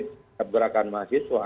kritik keberakan mahasiswa